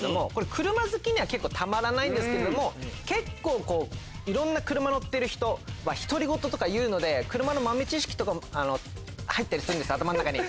車好きにはたまらないんですけれども結構いろんな車乗ってる人独り言とか言うので車の豆知識とかも入ったりするんです頭の中に。